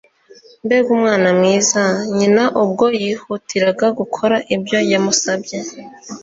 Mbega umwana mwiza!" nyina, ubwo yihutiraga gukora ibyo yamusabye.